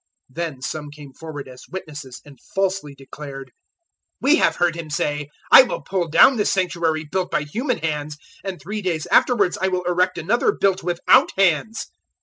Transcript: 014:057 Then some came forward as witnesses and falsely declared, 014:058 "We have heard him say, 'I will pull down this Sanctuary built by human hands, and three days afterwards I will erect another built without hands.'"